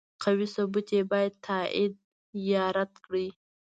قوي ثبوت یې باید تایید یا رد کړي.